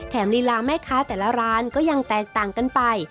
ลีลาแม่ค้าแต่ละร้านก็ยังแตกต่างกันไป